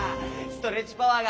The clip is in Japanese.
ストレッチパワー！